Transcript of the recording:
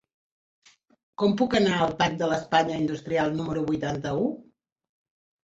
Com puc anar al parc de l'Espanya Industrial número vuitanta-u?